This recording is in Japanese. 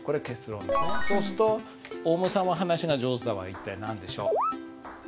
そうすると「オウムさんは話が上手だ」は一体何でしょう？